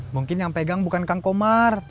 mungkin yang pegang bukan kang komar